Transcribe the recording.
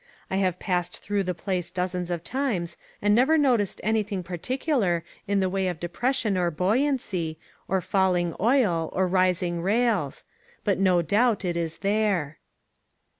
I have passed through the place dozens of times and never noticed anything particular in the way of depression or buoyancy, or falling oil, or rising rails. But no doubt it is there.